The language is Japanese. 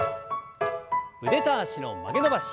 腕と脚の曲げ伸ばし。